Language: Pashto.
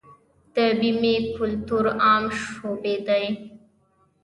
د بیمې کلتور عام شوی دی؟